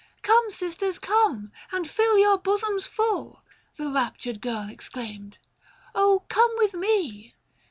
" Come, sisters, come ! and fill your bosoms full !" The raptured girl exclaimed, " come with me."